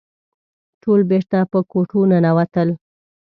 ټول بېرته په کوټو ننوتل.